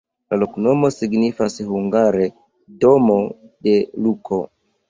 La loknomo signifas hungare: domo de Luko.